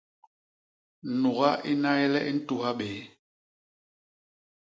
Nuga i nnay le i ntuha béé.